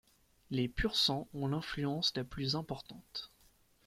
Les Pur-sangs ont l'influence la plus importante.